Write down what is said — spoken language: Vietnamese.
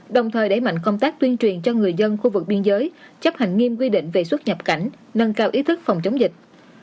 đồng thời đẩy mạnh công tác tuyên truyền cho người dân khu vực biên giới chấp hành nghiêm quy định về xuất nhập cảnh nâng cao ý thức phòng chống dịch